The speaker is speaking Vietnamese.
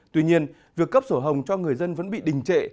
tuy nhiên việc cấp sổ hồng cho người dân vẫn bị đình trệ